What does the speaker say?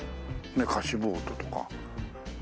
貸しボートとか。